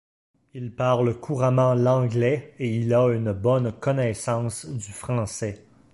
Il parle couramment l'anglais et il a une bonne connaissance du français.